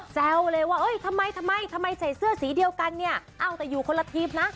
แซวเลยว่าเอ้ยทำไมทำไมใส่เสื้อสีเดียวกันเนี่ยเอ้าแต่อยู่คนละทีปนะ